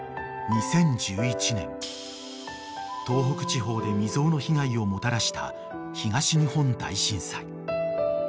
［２０１１年東北地方で未曽有の被害をもたらした東日本大震災］